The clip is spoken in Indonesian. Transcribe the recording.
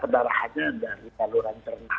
dari saluran cernak